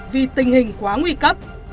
vì tình hình quá nguy cấp